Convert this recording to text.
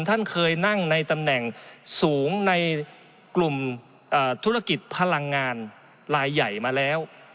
ท่านเคยนั่งในตำแหน่งสูงในกลุ่มธุรกิจพลังงานรายใหญ่มาแล้ว